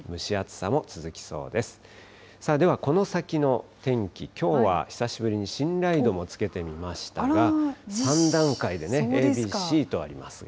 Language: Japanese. さあでは、この先の天気、きょうは久しぶりに信頼度もつけてみましたが、３段階でね、Ａ、Ｂ、Ｃとありますが。